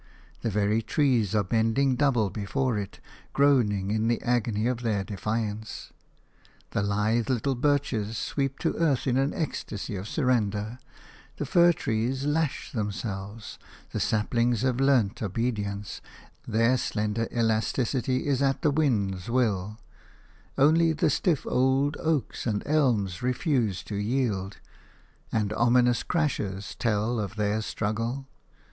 The very trees are bending double before it, groaning in the agony of their defiance. The lithe little birches sweep to earth in an ecstasy of surrender; the fir trees lash themselves; the saplings have learnt obedience – their slender elasticity is at the wind's will; only the stiff old oaks and elms refuse to yield, and ominous crashes tell of their struggle.